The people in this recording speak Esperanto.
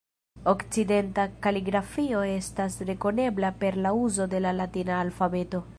Okcidenta kaligrafio estas rekonebla per la uzo de la latina alfabeto.